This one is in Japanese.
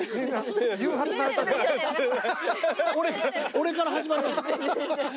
俺から始まりました。